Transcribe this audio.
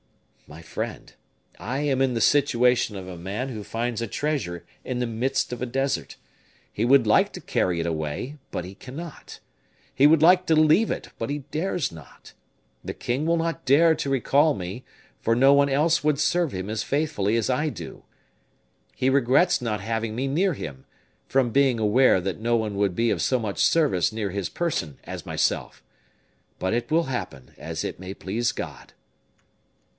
"My friend, I am in the situation of a man who finds a treasure in the midst of a desert. He would like to carry it away, but he cannot; he would like to leave it, but he dares not. The king will not dare to recall me, for no one else would serve him as faithfully as I do; he regrets not having me near him, from being aware that no one would be of so much service near his person as myself. But it will happen as it may please God."